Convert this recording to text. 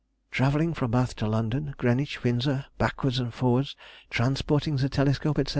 Travelling from Bath to London, Greenwich, Windsor, backwards and forwards, transporting the telescope, &c.